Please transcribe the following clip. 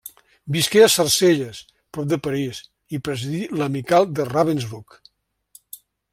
Visqué a Sarcelles, prop de París, i presidí l'Amical de Ravensbrück.